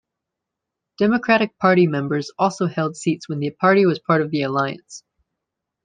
Democratic Party members also held seats when the party was part of the Alliance.